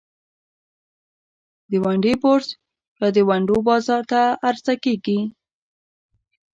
ونډې بورس یا د ونډو بازار ته عرضه کیږي.